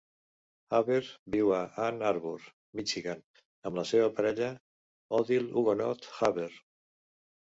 Haber viu a Ann Arbor, Michigan, amb la seva parella Odile Hugonot-Haber.